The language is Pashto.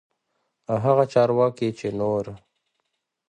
او هغه چارواکي چې نور